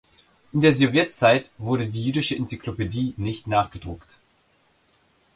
In der Sowjetzeit wurde die "Jüdische Enzyklopädie" nicht nachgedruckt.